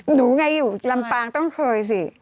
หนูไงอยู่ลำปางต้องเคยสิ